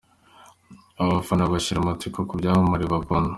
Abafana bashira amatsiko ku byamamare bakunda.